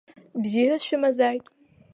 Бзиара шәымазааит.